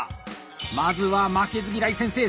まずは「負けず嫌い先生」